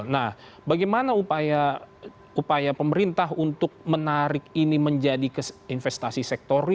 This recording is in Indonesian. nah bagaimana upaya pemerintah untuk menarik ini menjadi investasi sektor real